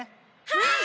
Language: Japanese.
はい！